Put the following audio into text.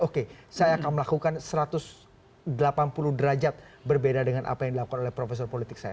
oke saya akan melakukan satu ratus delapan puluh derajat berbeda dengan apa yang dilakukan oleh profesor politik saya